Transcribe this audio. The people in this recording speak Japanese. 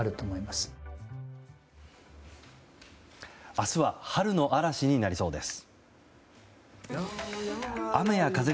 明日は春の嵐になりそうです。